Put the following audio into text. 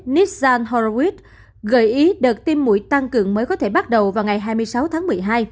nissan horowit gợi ý đợt tiêm mũi tăng cường mới có thể bắt đầu vào ngày hai mươi sáu tháng một mươi hai